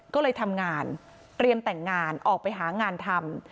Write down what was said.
ก็เลยทำงานเตรียมแต่งงานออกไปหางานทำ